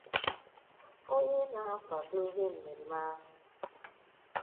onye na-akwàdo ihe mmemme ahụ